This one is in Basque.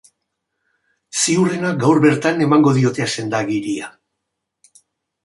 Ziurrena gaur bertan emango diote senda-agiria.